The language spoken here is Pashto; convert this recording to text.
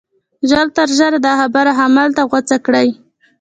ژر تر ژره دا خبره همدلته غوڅه کړئ